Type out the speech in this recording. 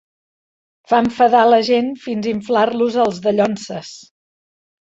Fa enfadar la gent fins inflar-los els dallonses.